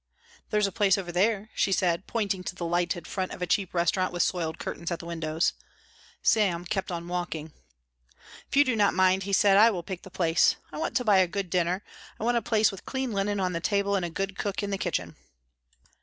"There's a place over there," she said, pointing to the lighted front of a cheap restaurant with soiled curtains at the windows. Sam kept on walking. "If you do not mind," he said, "I will pick the place. I want to buy a good dinner. I want a place with clean linen on the table and a good cook in the kitchen."